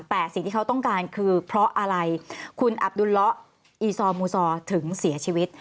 แต่สิ่งที่เขาต้องการคือเพราะอะไรคุณอับดุลละอีซอมูซอถึงเสียชีวิต